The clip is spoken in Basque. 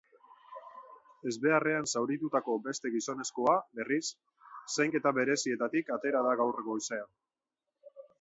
Ezbeharrean zauritutako beste gizonezkoa, berriz, zainketa berezietatik atera da gaur goizean.